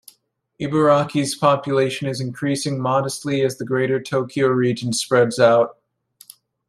Ibaraki's population is increasing modestly as the Greater Tokyo region spreads out.